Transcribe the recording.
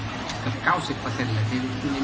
ผมอยากจะเห็นเด็กไทยนะครับ